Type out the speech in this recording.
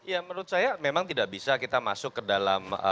ya menurut saya memang tidak bisa kita masuk ke dalam